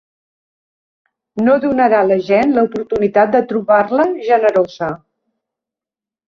No donarà a la gent l'oportunitat de trobar-la generosa.